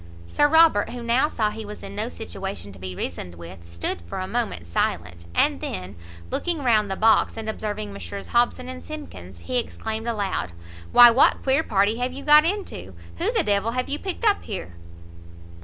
Sir Robert, who now saw he was in no situation to be reasoned with, stood for a moment silent; and then, looking round the box, and observing Messrs Hobson and Simkins, he exclaimed aloud "Why what queer party have you got into? who the d l have you picked up here?"